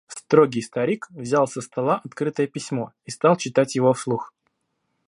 Строгий старик взял со стола открытое письмо и стал читать его вслух: